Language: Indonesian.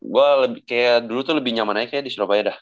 gue lebih kayak dulu tuh lebih nyaman aja kayak di surabaya dah